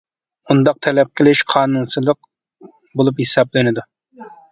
ئۇنداق تەلەپ قىلىش قانۇنسىزلىق بولۇپ ھېسابلىنىدۇ.